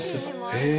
へえ。